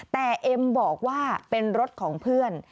แต่เอ็มบอกว่าเป็นรถของเพื่อน